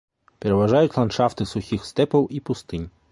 Пераважаюць ландшафты сухіх стэпаў і пустынь.